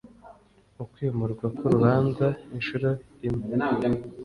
Ukwimurwa k urubanza inshuro imwe